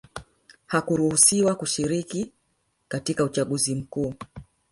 hawakuruhusiwa kushiriki katika uchaguzi mkuu